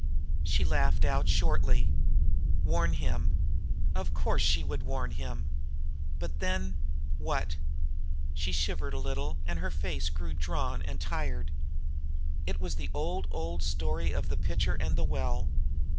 She laughed out shortly. Warn him! Of course, she would warn him! But then what? She shivered a little, and her face grew drawn and tired. It was the old, old story of the pitcher and the well.